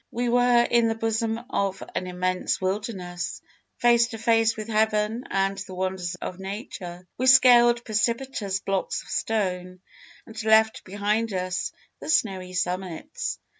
We were in the bosom of an immense wilderness, face to face with Heaven and the wonders of Nature. We scaled precipitous blocks of stone, and left behind us the snowy summits.